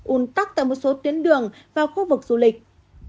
un tắc tại một số tuyến đường và khu vực du lịch